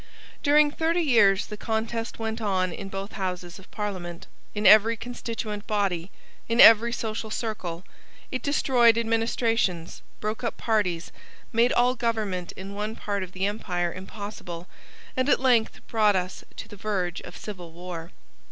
During thirty years the contest went on in both Houses of Parliament, in every constituent body, in every social circle. It destroyed administrations, broke up parties, made all government in one part of the empire impossible, and at length brought us to the verge of civil war.